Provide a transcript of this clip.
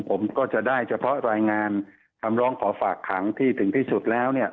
ผมก็จะได้เฉพาะรายงานคำร้องขอฝากขังที่ถึงที่สุดแล้วเนี่ย